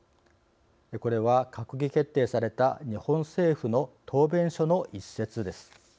これは、閣議決定された日本政府の答弁書の一節です。